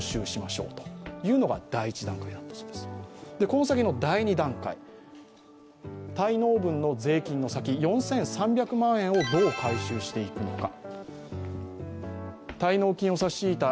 この先の第２段階、滞納分の税金の先４３００万円をどう回収していくのか。